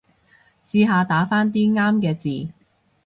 試下打返啲啱嘅字